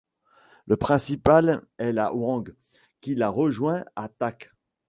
Le principal est la Wang, qui la rejoint à Tak.